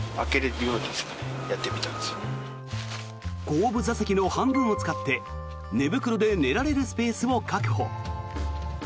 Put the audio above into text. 後部座席の半分を使って寝袋で寝られるスペースを確保。